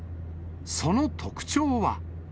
その特徴は。